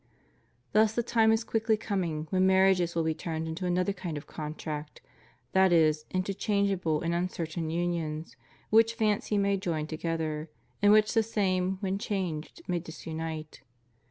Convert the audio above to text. Thus the time is quickly coming when marriages will be turned into another kind of contract — ^that is, into changeable and uncertain unions which fancy may join together, and which the same when changed may disunite.